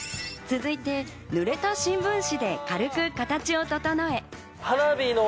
続いて、濡れた新聞紙で軽く形を整え。